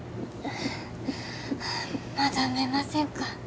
まだ産めませんか？